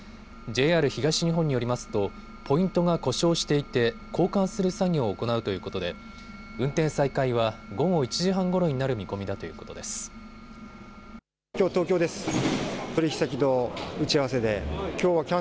ＪＲ東日本によりますとポイントが故障していて交換する作業を行うということで運転再開は午後１時半ごろになる見込みだということです。